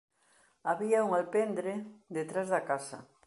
Había un alpendre detrás da casa.